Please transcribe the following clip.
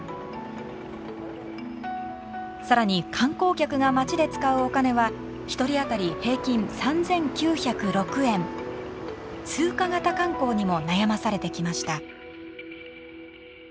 更に観光客が町で使うお金は通過型観光にも悩まされてきました。